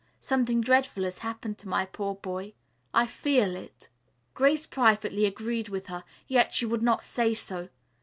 Something dreadful has happened to my poor boy. I feel it." Grace privately agreed with her, yet she would not say so.